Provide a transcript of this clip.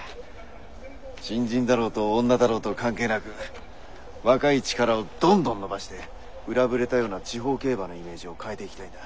新人だろうと女だろうと関係なく若い力をどんどん伸ばしてうらぶれたような地方競馬のイメージを変えていきたいんだ。